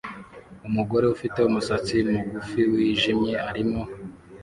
Umugore ufite umusatsi mugufi wijimye arimo